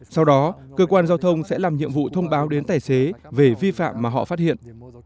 sau đó cơ quan giao thông sẽ làm nhiệm vụ thông báo đến tài xế về vi phạm mà họ phát hiện